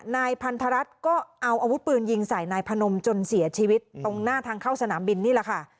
นายพันธรัฐก็เอาอาวุธปืนยิงใส่นายพนมจนเสียชีวิตตรงหน้าทางเข้าสนามบินนี่แหละค่ะ